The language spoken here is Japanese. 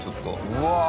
うわ！